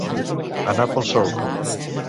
Anar pel solc.